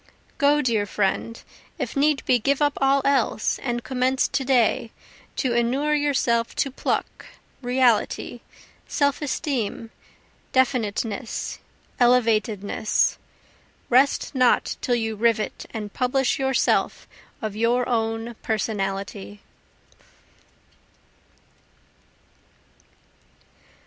Go, dear friend, if need be give up all else, and commence to day to inure yourself to pluck, reality, self esteem, definiteness, elevatedness, Rest not till you rivet and publish yourself of your own Personality.